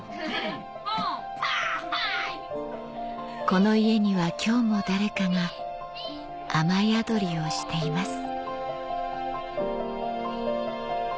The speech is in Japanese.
この家には今日も誰かが雨やどりをしています